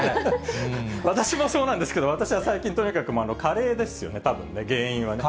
私もそうなんですけど、私は最近、とにかく加齢ですよね、たぶん、原因はね。